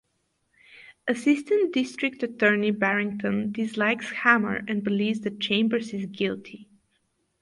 Assistant District Attorney Barrington dislikes Hammer and believes that Chambers is guilty.